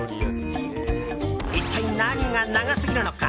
一体、何が長すぎるのか。